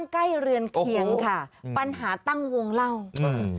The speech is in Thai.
ใกล้เรือนเคียงค่ะปัญหาตั้งวงเล่าอืม